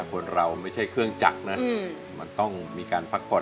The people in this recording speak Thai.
คนเราไม่ใช่เครื่องจักรนะมันต้องมีการพักผ่อน